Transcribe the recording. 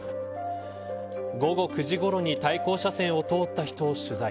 午後９時ごろに対向車線を通った人を取材。